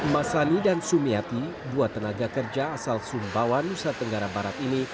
masani dan sumiati dua tenaga kerja asal sumbawa nusa tenggara barat ini